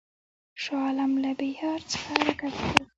شاه عالم له بیهار څخه حرکت پیل کړ.